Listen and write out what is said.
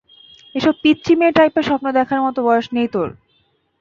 এসব পিচ্চি মেয়ে টাইপের স্বপ্ন দেখার মতো বয়স নেই তোর!